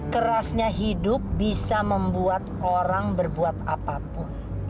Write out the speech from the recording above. kerasnya hidup bisa membuat orang berbuat apapun